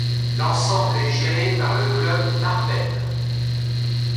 L'ensemble est géré par le club Marpen.